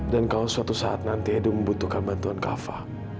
dan kalau suatu saat nanti edo membutuhkan bantuan kava